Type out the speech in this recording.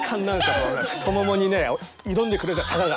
この太ももにね挑んでくれた坂が。